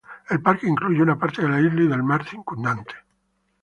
El parque incluye una parte de la isla y del mar circundante.